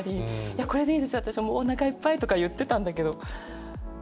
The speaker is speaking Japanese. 「いやこれでいいです私おなかいっぱい」とか言ってたんだけど。